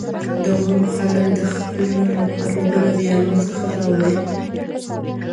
د غرونو خلک د خپل ژوند لپاره اوبه له ویالو څخه راوړي.